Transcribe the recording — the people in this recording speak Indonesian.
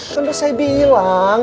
kan udah saya bilang